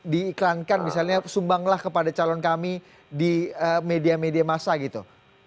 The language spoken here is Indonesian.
diiklankan misalnya sumbanglah kepada calon kami di media media masa gitu